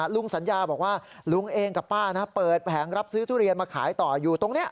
ลุงสัญญาบอกว่าลุงเองกับป้านะเปิดแผงรับซื้อทุเรียนมาขายต่ออยู่ตรงนี้